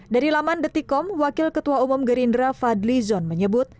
dari laman detikom wakil ketua umum gerindra fadlizon menyebut